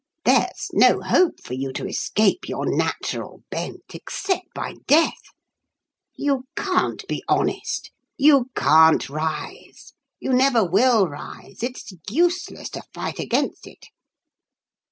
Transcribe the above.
There's no hope for you to escape your natural bent except by death. You can't be honest. You can't rise you never will rise; it's useless to fight against it!"